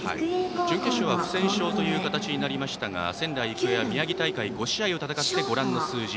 準決勝は不戦勝の形になりましたが仙台育英は宮城大会５試合を戦って、ご覧の数字。